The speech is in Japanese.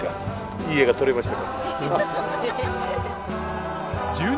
いい絵が撮れましたか。